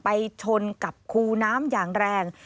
ชนกับคูน้ำอย่างแรง